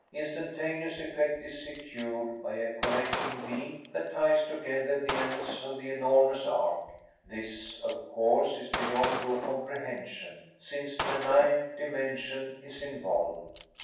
Instantaneous effect is secured by a connecting beam that ties together the ends of the enormous arc. This, of course, is beyond your comprehension, since the Ninth Dimension is involved.